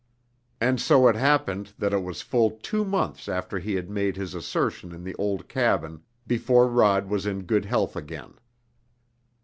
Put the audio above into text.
And so it happened that it was full two months after he had made his assertion in the old cabin before Rod was in good health again.